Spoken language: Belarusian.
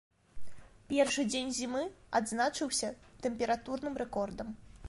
Першы дзень зімы адзначыўся тэмпературным рэкордам.